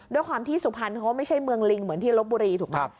ด้วยความที่สุพรรณเขาไม่ใช่เมืองลิงเหมือนที่ลบบุรีถูกไหม